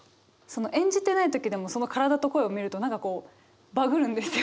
その演じてない時でもその体と声を見ると何かこうバグるんですよね何か。